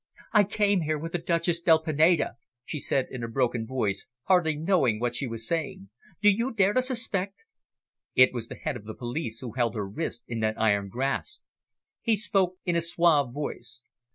"I came here with the Duchess del Pineda," she said in a broken voice, hardly knowing what she was saying. "Do you dare to suspect " It was the Head of the Police who held her wrist in that iron grasp. He spoke in a suave voice.